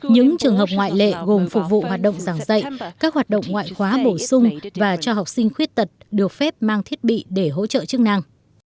những trường hợp ngoại lệ gồm phục vụ hoạt động giảng dạy các hoạt động ngoại khóa bổ sung và cho học sinh khuyết tật được phép mang thiết bị để hỗ trợ chức năng